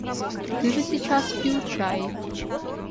— Ты же сейчас пил чай.